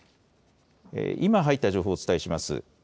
今入った情報をお伝えします。